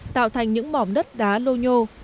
tạo thành những mỏm đất đá lô nhô